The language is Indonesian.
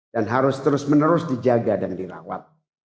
dan harus terus menerus dijaga dan dirawat